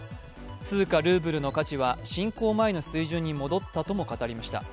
通貨・ルーブルの価値は侵攻前の水準に戻ったとしました。